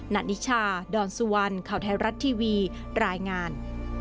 นิชาดอนสุวรรณข่าวไทยรัฐทีวีรายงาน